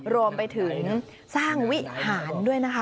รวมไปถึงสร้างวิหารด้วยนะคะ